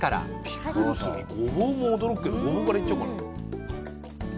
ピクルスにごぼうも驚くけどごぼうからいっちゃおうかな。